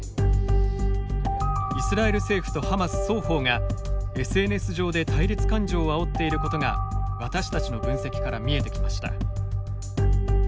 イスラエル政府とハマス双方がＳＮＳ上で対立感情をあおっていることが私たちの分析から見えてきました。